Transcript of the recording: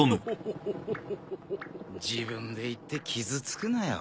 自分で言って傷つくなよ。